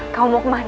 kau mau kemana